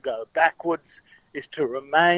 dan bukan menulis kembali